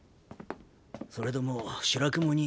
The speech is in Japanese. それとも白雲に。